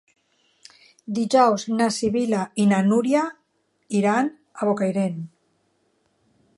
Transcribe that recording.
Dijous na Sibil·la i na Núria iran a Bocairent.